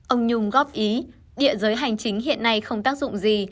ông nhung góp ý địa giới hành chính hiện nay không tác dụng gì